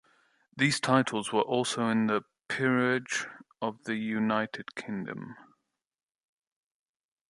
These titles were also in the Peerage of the United Kingdom.